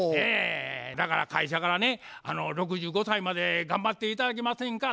だから会社からね「６５歳まで頑張って頂けませんか」って言われてんねん。